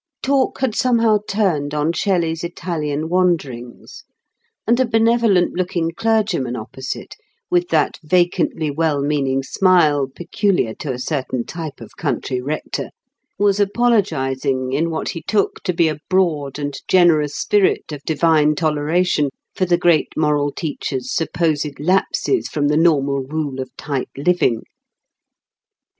Talk had somehow turned on Shelley's Italian wanderings; and a benevolent looking clergyman opposite, with that vacantly well meaning smile, peculiar to a certain type of country rector, was apologising in what he took to be a broad and generous spirit of divine, toleration for the great moral teacher's supposed lapses from the normal rule of right living.